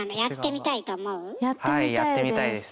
やってみたいです。